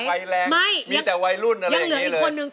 ภายแรงมีแต่วัยรุ่นอะไรอย่างนี้เลยโอ้ยังเหลืออีกคนนึง